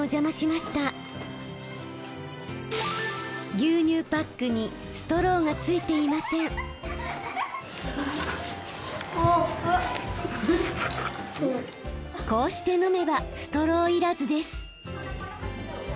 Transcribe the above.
牛乳パックにこうして飲めばストロー要らずです。